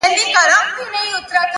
لوړ فکر د نوښتونو دروازه پرانیزي.!